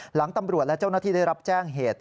หลังตำรวจและเจ้าหน้าที่ได้รับแจ้งเหตุ